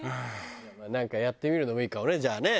なんかやってみるのもいいかもねじゃあね。